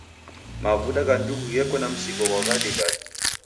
Mavuda gha njugu gheko na mzingo ghwa ghadighadi.